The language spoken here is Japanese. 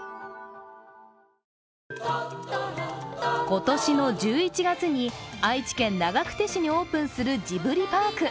今年の１１月に愛知県長久手市にオープンするジブリパーク。